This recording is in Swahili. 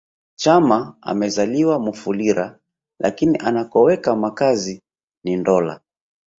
Chama amezaliwa Mufulira lakini anakoweka makazi ni Ndola